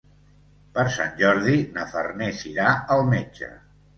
Per Sant Jordi na Farners irà al metge.